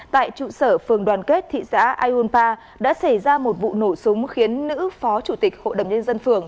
tại trụ sở phường đoàn kết thị xã ayunpa đã xảy ra một vụ nổ súng khiến nữ phó chủ tịch hội đồng nhân dân phường